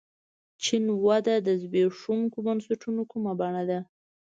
چین وده د زبېښونکو بنسټونو کومه بڼه ده.